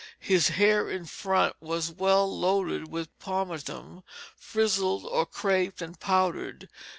His hair in front was well loaded with pomatum, frizzled or craped and powdered.